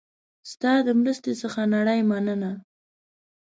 ستا د مرستې څخه نړۍ مننه